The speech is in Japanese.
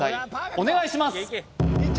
お願いします